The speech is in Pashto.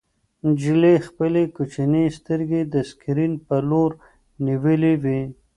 نجلۍ خپلې کوچنۍ سترګې د سکرین په لور نیولې وې.